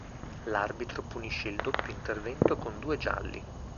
L’arbitro punisce il doppio intervento con due gialli.